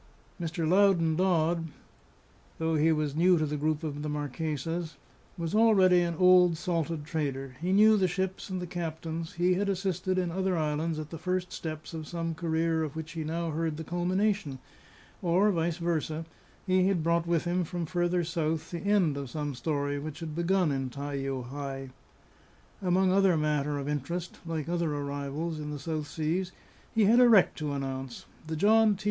Mr. Loudon Dodd, though he was new to the group of the Marquesas, was already an old, salted trader; he knew the ships and the captains; he had assisted, in other islands, at the first steps of some career of which he now heard the culmination, or (vice versa) he had brought with him from further south the end of some story which had begun in Tai o hae. Among other matter of interest, like other arrivals in the South Seas, he had a wreck to announce. The John T.